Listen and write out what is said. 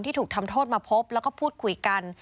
ถูกทำโทษมาพบแล้วก็พูดคุยกัน